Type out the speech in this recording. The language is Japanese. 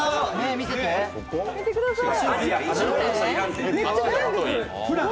見てください！